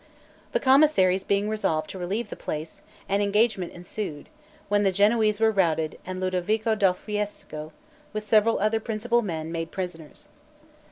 The commissaries being resolved to relieve the place, an engagement ensued, when the Genoese were routed, and Lodovico dal Fiesco, with several other principal men, made prisoners.